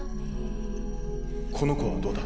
この子はどうだ？